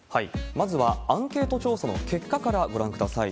まずは、アンケート調査の結果からご覧ください。